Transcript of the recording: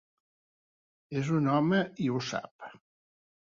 És un home, i ho sap.